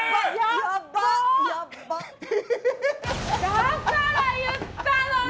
だから言ったのに！